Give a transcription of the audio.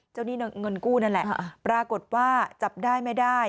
เงินกู้นั่นแหละปรากฏว่าจับได้ไม่ได้